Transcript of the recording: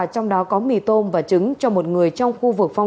trong đó có mì tôm và trứng cho một người trong khu vực phong